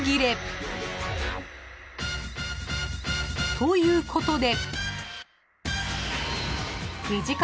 ［ということで］